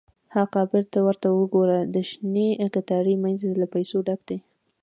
– ها قبر! ته ورته وګوره، د شنې کتارې مینځ له پیسو ډک دی.